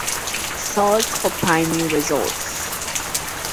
Source for primary results.